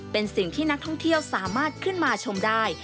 เป็นสิ่งที่นักท่องเที่ยวสามารถขึ้นมาชมได้